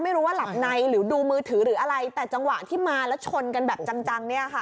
ไม่รู้ว่าหลับในหรือดูมือถือหรืออะไรแต่จังหวะที่มาแล้วชนกันแบบจังเนี่ยค่ะ